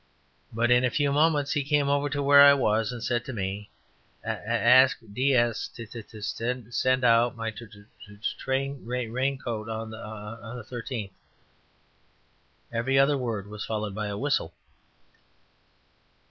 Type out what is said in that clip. But in a few moments he came over to where I was and said to me, "A a a sk 'DS' t t t t o s s s end out m m m y r r ain c c c c oat on th th th irteen." Every other word was followed by a whistle.